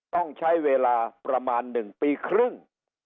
ต้องใช้เวลาประมาณ๑ปีครึ่ง